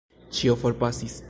Ĉio forpasis.